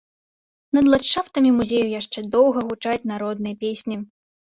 Над ландшафтамі музею яшчэ доўга гучаць народныя песні.